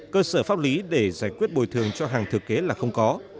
cơ sở pháp lý để giải quyết bồi thường cho hàng thực kế là không có